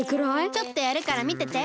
ちょっとやるからみてて。